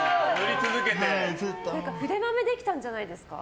筆まめできたんじゃないですか。